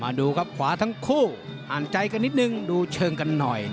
ดูครับขวาทั้งคู่อ่านใจกันนิดนึงดูเชิงกันหน่อย